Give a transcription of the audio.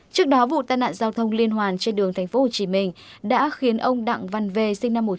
trước đó vụ tai nạn giao thông liên hoàn trên đường thành phố hồ chí minh đã khiến ông đặng văn vê sinh năm một nghìn chín trăm bảy mươi một